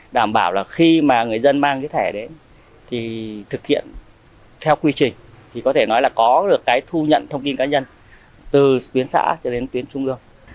đảm bảo là khi mà người dân mang cái thẻ đấy thì thực hiện theo quy trình thì có thể nói là có được cái thu nhận thông tin cá nhân từ tuyến xã cho đến tuyến trung ương